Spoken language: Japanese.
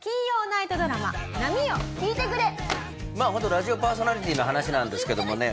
ラジオパーソナリティーの話なんですけどもね